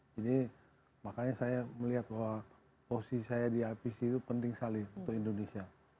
jadi makanya saya melihat bahwa posisi saya di ipc itu penting saling untuk indonesia